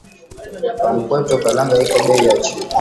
Pa mpweto kalanga iko beyi ya chini